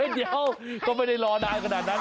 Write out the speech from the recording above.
เดี๋ยวก็ไม่ได้รอนานขนาดนั้น